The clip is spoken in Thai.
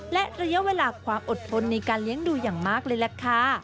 และระยะเวลาความอดทนในการเลี้ยงดูอย่างมากเลยล่ะค่ะ